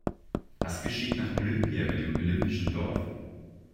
Was geschieht nach Olympia mit dem olympischen Dorf?